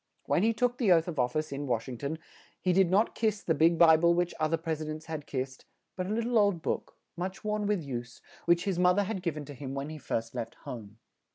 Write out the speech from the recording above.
When he took the oath of of fice in Wash ing ton, he did not kiss the big Bi ble which oth er pres i dents had kissed, but a lit tle old book, much worn with use, which his moth er had giv en to him when he first left home.